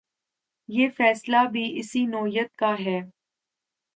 یہ فیصلہ بھی اسی نوعیت کا ہے۔